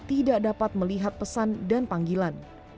tidak dapat melihat pesan dan panggilan